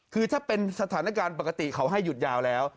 คือถ้าเป็นสถานการณ์ปกติเขาให้หยุดยาวแล้ว